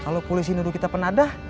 lo kulisin dulu kita penadah